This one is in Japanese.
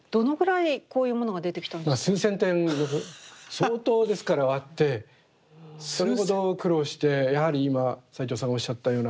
相当ですから割ってそれほど苦労してやはり今齊藤さんがおっしゃったような